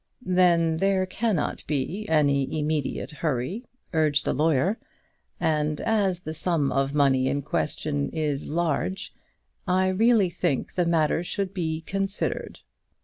"Then there cannot be any immediate hurry," urged the lawyer; "and as the sum of money in question is large, I really think the matter should be considered."